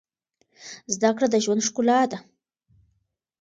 زده کړه د ژوند ښکلا ده.